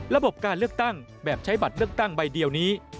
ระบบการเลือกตั้งแบบใช้บัตรเลือกตั้งใบเดียวนี้